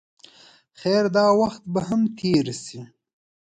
خیر دا وخت به هم تېر شي.